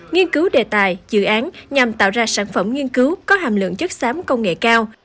nghiên cứu đề tài dự án nhằm tạo ra sản phẩm nghiên cứu có hàm lượng chất xám công nghệ cao